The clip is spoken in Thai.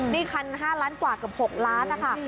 นี่คัน๕ล้านกว่าเกือบ๖ล้านนะคะ